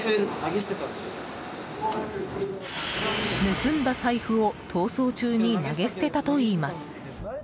盗んだ財布を逃走中に投げ捨てたといいます。